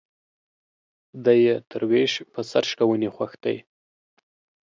دى يې تر ويش په سر شکوني خوښ دى.